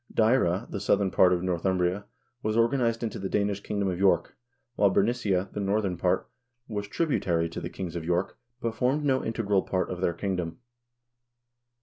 Deira, the southern part of Northumbria, was organized into the Danish kingdom of York, while Bernicia, the northern part, was tributary to the kings of York, but formed no integral part of their kingdom.